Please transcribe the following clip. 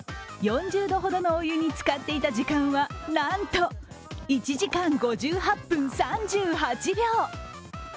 ４０度ほどのお湯につかっていた時間は、なんと１時間５８分３８秒。